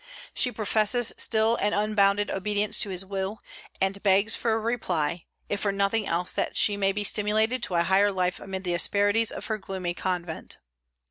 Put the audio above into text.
She professes still an unbounded obedience to his will, and begs for a reply, if for nothing else that she may be stimulated to a higher life amid the asperities of her gloomy convent.